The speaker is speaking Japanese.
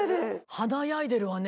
華やいでるわね。